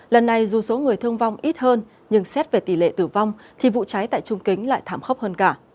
lần này dù số người thương vong ít hơn nhưng xét về tỷ lệ tử vong thì vụ cháy tại trung kính lại thảm khốc hơn cả